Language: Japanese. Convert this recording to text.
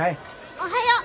おはよう。